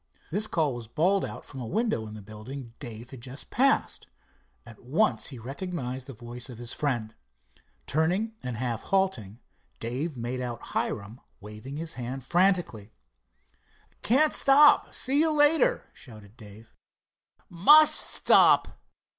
This call was bawled out from a window in the building Dave had just passed. At once he recognized the voice of his friend. Turning and half halting, Dave made out Hiram waving his hand frantically. "Can't stop—see you later," shouted Dave. "Must stop."